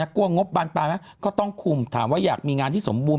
กลัวงบบานปลายไหมก็ต้องคุมถามว่าอยากมีงานที่สมบูรณ